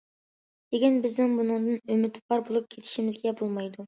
لېكىن بىزنىڭ بۇنىڭدىن ئۈمىدۋار بولۇپ كېتىشىمىزگە بولمايدۇ.